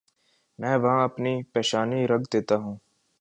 میں وہاں اپنی پیشانی رکھ دیتا ہوں۔